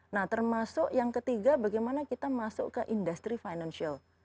nah termasuk yang ketiga bagaimana kita masuk ke industri financial